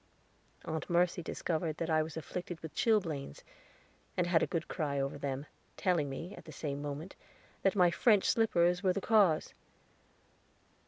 Aunt Mercy discovered that I was afflicted with chilblains, and had a good cry over them, telling me, at the same moment, that my French slippers were the cause.